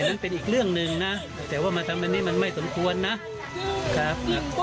นั่นเป็นอีกเรื่องหนึ่งนะแต่ว่ามาทำอันนี้มันไม่สมควรนะครับ